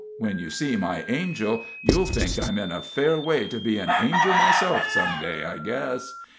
When you see my angel, you'll think I'm in a fair way to be an angel myself some day, I guess.